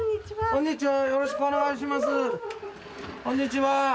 こんにちは。